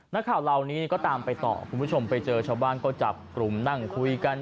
นักข่าวเหล่านี้ก็ตามไปต่อคุณผู้ชมไปเจอชาวบ้านก็จับกลุ่มนั่งคุยกัน